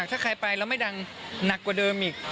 ถ้าใครไปแล้วไม่ดังหนักกว่าเดิมอีก